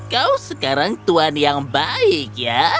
kau sekarang tuhan yang baik ya